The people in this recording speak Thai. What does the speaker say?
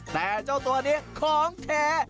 แต่เจ้าตัวนี้ของแท้